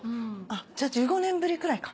じゃ１５年ぶりくらいか。